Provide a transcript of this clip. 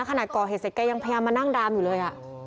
ขนาดก่อเหตุสิทธิ์แกยังพยายามมานั่งดามอยู่เลย